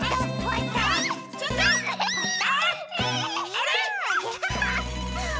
あれ？